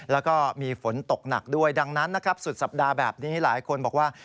แล้วก็มีฝนตกหนักด้วยดังนั้นนะครับสุดสัปดาห์แบบนี้หลายคนบอกว่า